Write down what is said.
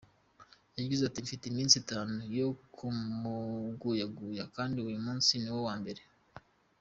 Yagize ati: ”Mfite iminsi itanu yo kumuguyaguya kandi uyu munsi ni wo wa mbere”.